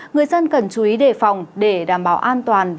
người dân cần chú ý đề phòng để đảm bảo an toàn